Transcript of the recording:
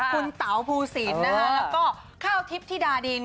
คุณเต๋าภูสินนะคะแล้วก็ข้าวทิพย์ธิดาดิน